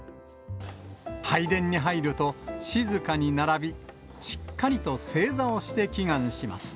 拝殿に入ると、静かに並び、しっかりと正座をして祈願します。